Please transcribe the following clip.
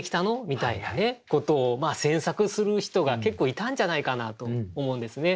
みたいなことを詮索する人が結構いたんじゃないかなと思うんですね。